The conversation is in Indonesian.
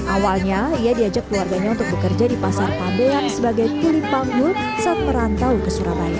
awalnya ia diajak keluarganya untuk bekerja di pasar pabean sebagai kulipanggul saat merantau ke surabaya